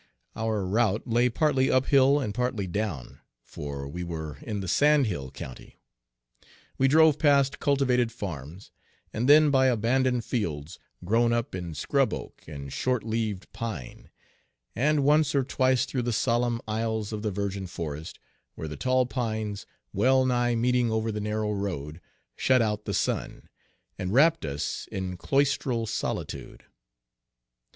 Our route lay partly up hill and partly down, for we were in the sand hill county; we drove past cultivated farms, and then by abandoned fields grown up in scrub oak and short leaved pine, and once or twice through the solemn aisles of the virgin forest, where the tall pines, well nigh meeting over the narrow road, shut out the sun, and wrapped us in cloistral solitude.